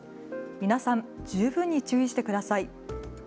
皆さん、十分に注意してください。